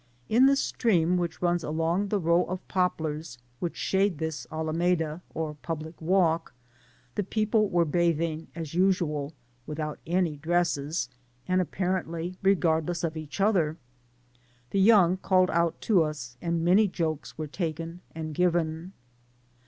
In the stream which runs along the row of poplars which shade this Alameda, or public walk, the people were bath ing as usual, without any dresses, and apparently regardless of each other. The young called out to us, and may jokes were taken and given.